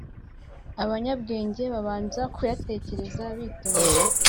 abanyabwenge babanza kuyatekereza bitonze.